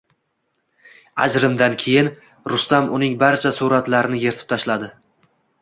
Ajrimdan keyin Rustam uning barcha suratlarini yirtib tashladi